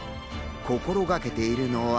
心がけているのは。